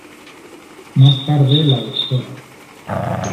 Más tarde, la Dra.